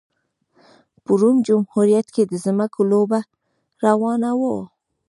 په روم جمهوریت کې د ځمکو لوبه روانه وه